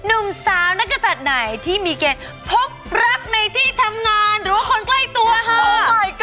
หนุ่มสาวนักศัตริย์ไหนที่มีเกณฑ์พบรักในที่ทำงานหรือว่าคนใกล้ตัวค่ะ